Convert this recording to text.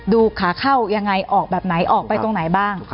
ดูขาเข้ายังไงออกแบบไหนออกไปตรงไหนบ้าง